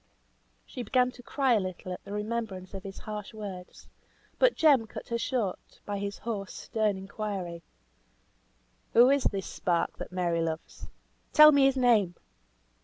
She began to cry a little at the remembrance of his harsh words; but Jem cut her short by his hoarse, stern inquiry, "Who is this spark that Mary loves? Tell me his name!"